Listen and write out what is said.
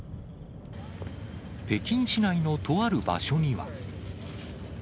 北京市内のとある場所には。